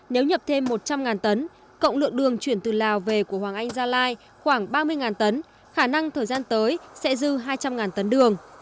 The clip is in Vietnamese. nếu nhập thêm một trăm linh tấn cộng lượng đường chuyển từ lào về của hoàng anh gia lai khoảng ba mươi tấn khả năng thời gian tới sẽ dư hai trăm linh tấn đường